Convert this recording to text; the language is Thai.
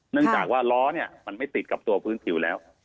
เนื่องจากว่าล้อเนี่ยมันไม่ติดกับตัวพื้นผิวแล้ว